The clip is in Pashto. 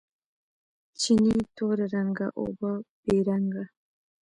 چینې تور رنګه، اوبه بې رنګه